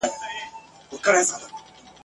چي زه نه یم هستي ختمه، چي زه نه یم بشر نسته !.